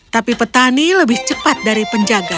tapi petani lebih cepat dari penjaga